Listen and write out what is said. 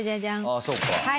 ああそっか。